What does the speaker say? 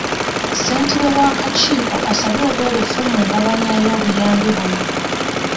Ssentebe w'akakiiko asabye obwerufu mu ngabanya y'obuyambi buno.